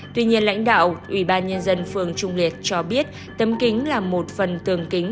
tuy nhiên lãnh đạo ủy ban nhân dân phường trung liệt cho biết tấm kính là một phần tường kính